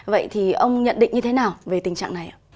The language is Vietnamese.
vậy thì ông nhận định như thế nào về tình trạng này ạ